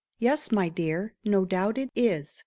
Yes, my dear, No doubt it is.